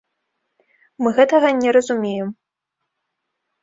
Мы гэтага не разумеем.